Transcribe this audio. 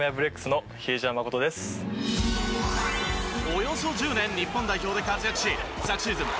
およそ１０年日本代表で活躍し昨シーズン